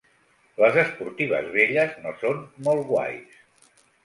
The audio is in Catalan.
Les esportives velles no són molt guais.